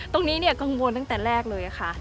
ตรงนี้กังวลตั้งแต่แรกเลยค่ะ